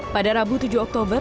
pada rabu tujuh oktober